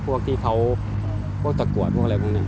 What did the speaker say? พวกที่เขาสะกวดพวกอะไรพวกนั้น